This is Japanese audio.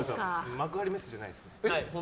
幕張メッセじゃないですね。